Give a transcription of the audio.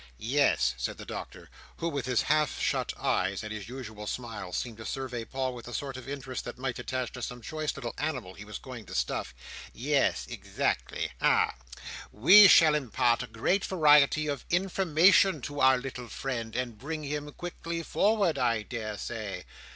"Yes," said the Doctor, who, with his half shut eyes, and his usual smile, seemed to survey Paul with the sort of interest that might attach to some choice little animal he was going to stuff. "Yes, exactly. Ha! We shall impart a great variety of information to our little friend, and bring him quickly forward, I daresay.